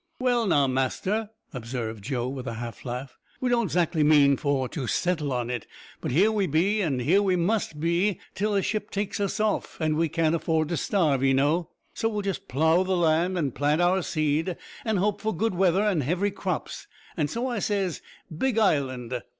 "Well now, master," observed Joe, with a half laugh, "we don't 'zactly mean for to settle on it, but here we be, an' here we must be, till a ship takes us off, an' we can't afford to starve, 'ee know, so we'll just plough the land an' plant our seed, an' hope for good weather an' heavy crops; so I says Big Island!"